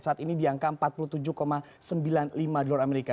saat ini di angka empat puluh tujuh sembilan puluh lima dolar amerika